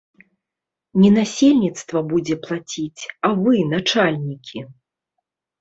Не насельніцтва будзе плаціць, а вы, начальнікі.